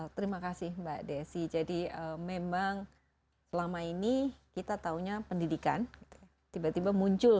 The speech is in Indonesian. terima kasih mbak desi jadi memang selama ini kita tahunya pendidikan tiba tiba muncul